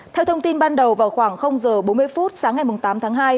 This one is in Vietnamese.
theo thông tin ban đầu vào khoảng h bốn mươi phút sáng ngày tám tháng hai